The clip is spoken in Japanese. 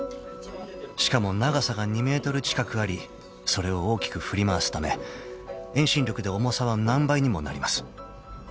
［しかも長さが２ｍ近くありそれを大きく振り回すため遠心力で重さは何倍にもなります］